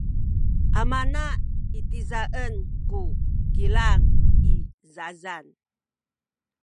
amana itizaen ku kilang i zazan.